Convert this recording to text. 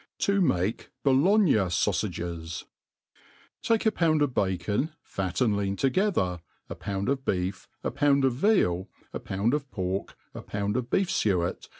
To make Boli^gnu SaufagiS* TAKE a pound of bacon,, fat and lean together^ a |>ound of beef, a pound pf veal^ a pound of pork, a pound of beef fuet